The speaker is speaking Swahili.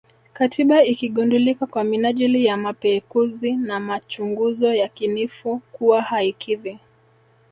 Katiba ikigundulika kwa minajili ya mapekuzi na machunguzo yakinifu kuwa haikidhi